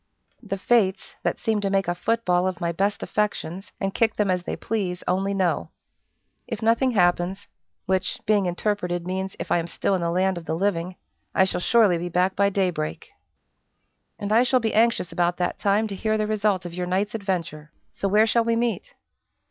"The Fates, that seem to make a foot ball of my best affections, and kick them as they please, only know. If nothing happens which, being interpreted, means, if I am still in the land of the living I shall surely be back by daybreak." "And I shall be anxious about that time to hear the result of your night's adventure; so where shall we meet?"